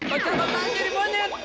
poncel bapak jadi monyet